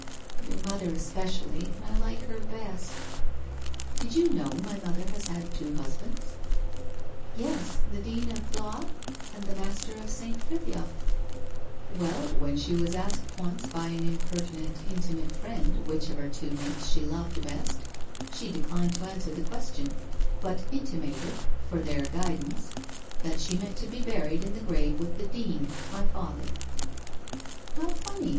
Your mother espe cially, and I like her best.' 1 Did you know my mother has had two husbands? '' Yes, the Dean of Blois and the Master of St. Frithiof/ < Well, when she was asked once by an impertinent inti mate friend which of her two mates she loved best, she declined to answer the question, but intimated for their guidance, that she meant to be buried in the grave with the Dean — my father/ ' How funny